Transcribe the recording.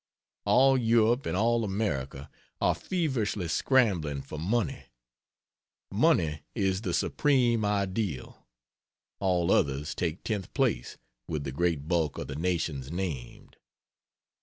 All Europe and all America, are feverishly scrambling for money. Money is the supreme ideal all others take tenth place with the great bulk of the nations named.